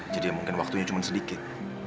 jadi mungkin waktunya cuma sedikit